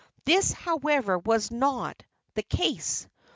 This, however, was not the case.